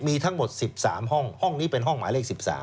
มีทั้งหมด๑๓ห้องห้องนี้เป็นห้องหมายเลข๑๓